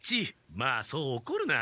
まあそうおこるな。